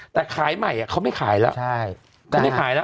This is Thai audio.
แต่ขายใหม่เขาไม่ขายแล้ว